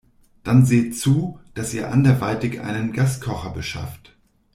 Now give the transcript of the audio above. Dann seht zu, dass ihr anderweitig einen Gaskocher beschafft.